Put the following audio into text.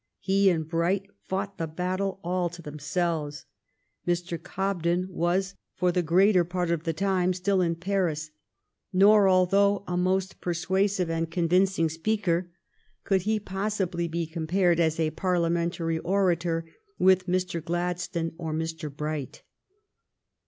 He and Bright fought the battle all to themselves. Mr. Cobden was for the greater 220 THE STORY OF GLADSTONE'S LIFE part of the time still in Paris ; nor, although a most persuasive and convincing speaker, could he pos sibly be compared as a Parliamentary orator with Mr. Gladstone or Mr. Bright.